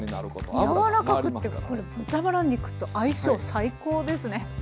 柔らかくってこれ豚バラ肉と相性最高ですね。